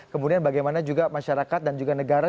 kemudian bagaimana juga masyarakat dan juga negara